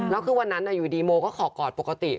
แล้วคือวันนั้นอยู่ดีโมก็ขอกอดปกติ